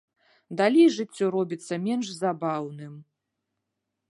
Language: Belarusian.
Далей жыццё робіцца менш забаўным.